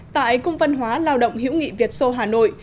tại cung văn hóa lao động hữu nghị việt sô hà nội